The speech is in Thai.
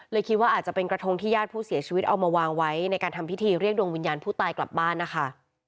คิดว่าอาจจะเป็นกระทงที่ญาติผู้เสียชีวิตเอามาวางไว้ในการทำพิธีเรียกดวงวิญญาณผู้ตายกลับบ้านนะคะ